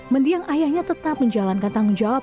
mendiang ayahnya tetap menjalankan tanggung jawab